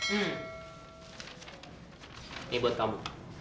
ini buat kamu